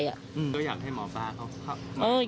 เธออยากให้หมอปลาเข้า